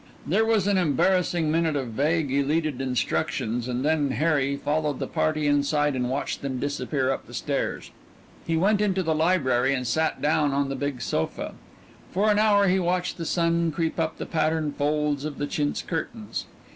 There was an embarrassing minute of vague, elided introductions and then Harry followed the party inside and watched them disappear up the stairs. He went into the library and sat down on the big sofa. For an hour he watched the sun creep up the patterned folds of the chintz curtains.